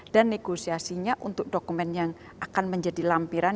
dan negosiasinya untuk dokumen yang akan menjadi lampiran